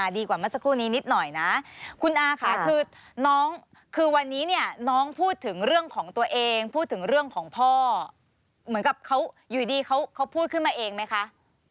ดีกว่าเมื่อสักครู่นี้นิดหน่อยนะคุณอาค่ะคือน้องคือวันนี้เนี่ยน้องพูดถึงเรื่องของตัวเองพูดถึงเรื่องของพ่อเหมือนกับเขาอยู่ดีเขาพูดขึ้นมาเองไหมคะ